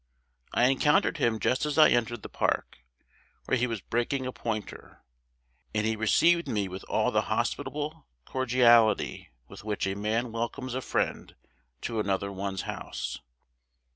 I encountered him just as I entered the park, where he was breaking a pointer, and he received me with all the hospitable cordiality with which a man welcomes a friend to another one's house.